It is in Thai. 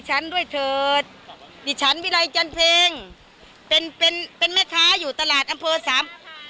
ฉันด้วยเถิดดิฉันวิรัยจันเพงเป็นเป็นแม่ค้าอยู่ตลาดอำเภอสาม